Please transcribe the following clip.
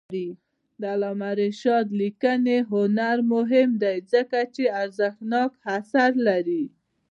د علامه رشاد لیکنی هنر مهم دی ځکه چې ارزښتناک آثار لري.